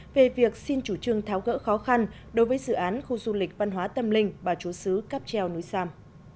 về việc xin chủ trương tháo gỡ khó khăn đối với dự án khu du lịch văn hóa tâm linh bà chúa sứ cáp treo núi sam